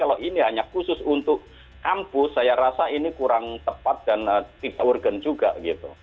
kalau ini hanya khusus untuk kampus saya rasa ini kurang tepat dan tidak urgen juga gitu